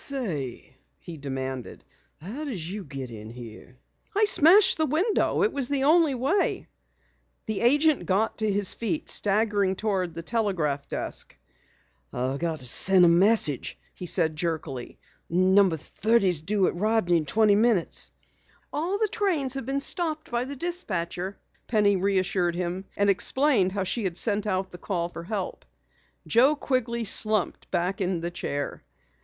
"Say," he demanded, "how did you get in here?" "Smashed the window. It was the only way." The agent got to his feet, staggering toward the telegraph desk. "I've got to send a message," he said jerkily. "No. 30's due at Rodney in twenty minutes." "All the trains have been stopped by the dispatcher," Penny reassured him, and explained how she had sent out the call for help. Joe Quigley slumped back in the chair.